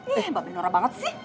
eh mba be norah banget sih